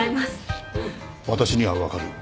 私には分かるよ。